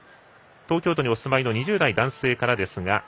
東京都にお住まいの２０代男性からです。